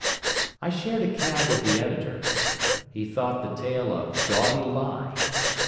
I shared a cab with the Editor. He thought the tale a "gaudy lie."